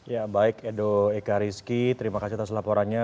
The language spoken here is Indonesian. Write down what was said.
ya baik edo eka rizky terima kasih atas laporannya